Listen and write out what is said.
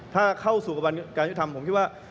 ถ้าเข้าสู่กระบวนการยุทธรรมผมคิดว่า